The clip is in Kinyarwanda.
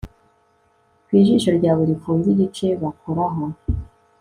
Ku jisho ryawe rifunze igice bakoraho